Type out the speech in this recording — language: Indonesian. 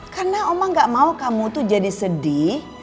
karena oma gak mau kamu tuh jadi sedih